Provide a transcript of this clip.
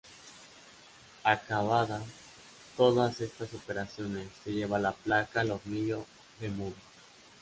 Acabadas todas estas operaciones, se lleva la placa al hornillo de muda.